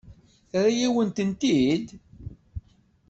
Terra-yawen-ten-id?